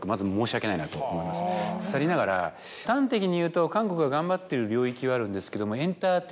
さりながら端的に言うと韓国が頑張ってる領域はあるんですけども。